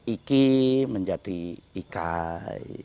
iki menjadi ikae